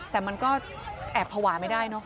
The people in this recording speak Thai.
แต่มันก็แอบภาวะไม่ได้เนอะ